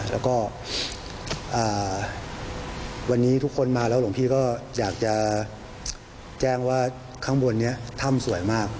แล้วก็วันนี้ทุกคนมาแล้วหลวงพี่ก็อยากจะแจ้งว่าข้างบนนี้ถ้ำสวยมาก